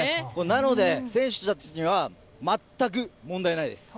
なので、選手たちは全く問題ないです。